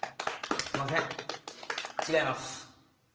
すいません違います。